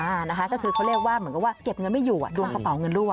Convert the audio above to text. อ่านะคะก็คือเขาเรียกว่าเหมือนกับว่าเก็บเงินไม่อยู่อ่ะดวงกระเป๋าเงินรั่ว